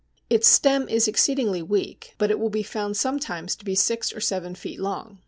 Its stem is exceedingly weak, but it will be found sometimes to be six or seven feet long.